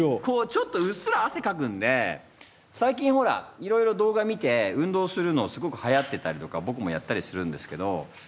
こうちょっとうっすらあせかくんで最近ほらいろいろ動画見て運動するのすごくはやってたりとかぼくもやったりするんですけど。